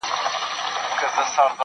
د ميني شر نه دى چي څـوك يـې پــټ كړي.